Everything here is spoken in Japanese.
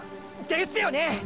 ですよねー！！